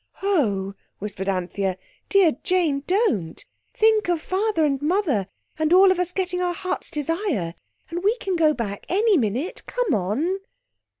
"Oh," whispered Anthea, "dear Jane, don't! Think of Father and Mother and all of us getting our heart's desire. And we can go back any minute. Come on!"